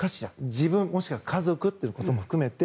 自分、もしくは家族ということも含めて。